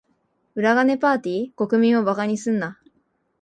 裏金パーティ？国民を馬鹿にするな。